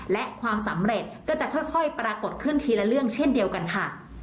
และความสำเร็จก็จะค่อยปรากฏขึ้นทีละเรื่องเช่นเดียวกันค่ะ